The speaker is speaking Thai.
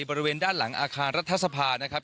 บริเวณด้านหลังอาคารรัฐสภานะครับ